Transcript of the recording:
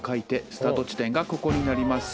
スタート地点がここになります。